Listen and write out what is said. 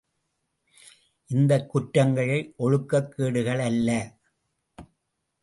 இந்தக் குற்றங்கள் ஒழுக்கக் கேடுகள் அல்ல.